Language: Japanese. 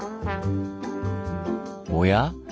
おや？